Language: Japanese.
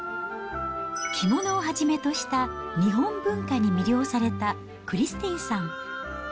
着物をはじめとした日本文化に魅了されたクリスティンさん。